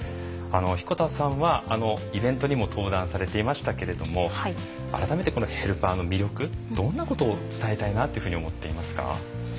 彦田さんは、イベントにも登壇されていましたけれども改めて、このヘルパーの魅力どんなことを伝えたいなというふうに思ってますか？